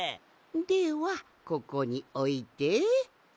ではここにおいて。